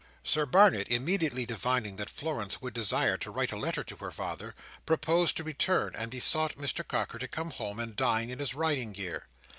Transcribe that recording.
Sir Barnet immediately divining that Florence would desire to write a letter to her father, proposed to return, and besought Mr Carker to come home and dine in his riding gear.